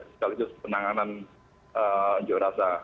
sekaligus penanganan jurasa